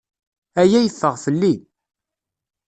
Aya yeffeɣ fell-i.